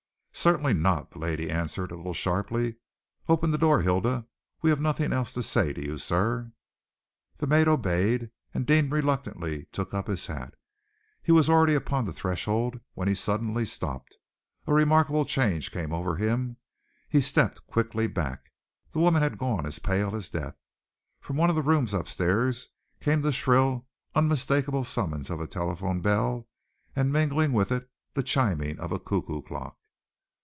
"Certainly not!" the lady answered, a little sharply. "Open the door, Hilda. We have nothing else to say to you, sir." The maid obeyed, and Deane reluctantly took up his hat. He was already upon the threshold when he suddenly stopped. A remarkable change came over him. He stepped quickly back. The woman had gone as pale as death. From one of the rooms upstairs came the shrill, unmistakable summons of a telephone bell, and mingling with it the chiming of a cuckoo clock.